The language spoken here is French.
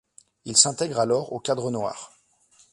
Il s'intègre alors au Cadre noir.